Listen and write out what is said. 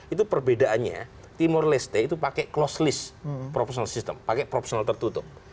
itu perbedaannya timur leste itu pakai close list proporsional system pakai proporsional tertutup